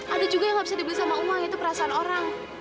ada juga yang gak bisa dibeli sama uang itu perasaan orang